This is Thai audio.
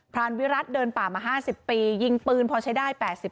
รานวิรัติเดินป่ามา๕๐ปียิงปืนพอใช้ได้๘๐